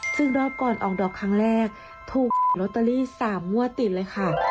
ซึ่งรอบก่อนออกดอกครั้งแรกถูกลอตเตอรี่๓งวดติดเลยค่ะ